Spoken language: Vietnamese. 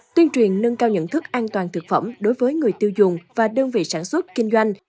tuyên truyền nâng cao nhận thức an toàn thực phẩm đối với người tiêu dùng và đơn vị sản xuất kinh doanh